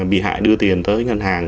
bị hại đưa tiền tới ngân hàng